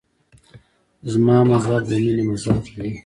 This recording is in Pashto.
زما مذهب د مینې مذهب دی.